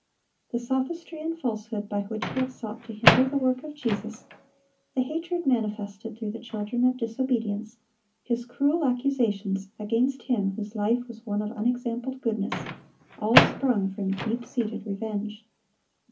The sophistry and falsehood by which he had sought to hinder the work of Jesus, the hatred manifested through the children of disobedience, his cruel accusations against Him whose life was one of unexampled goodness, all sprung from deep seated revenge.